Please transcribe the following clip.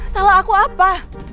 salah aku apa